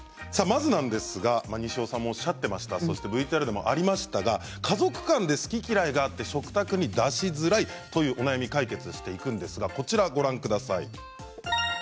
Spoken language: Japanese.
まず西尾さんもおっしゃっていましたＶＴＲにもありましたが家族間で好き嫌いがあって食卓に出しづらいというお悩みを解決していくんですがこちらをご覧ください。